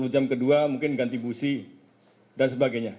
lima puluh jam kedua mungkin ganti busi dan sebagainya